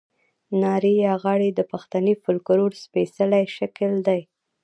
نارې یا غاړې د پښتني فوکلور سپېڅلی شکل دی.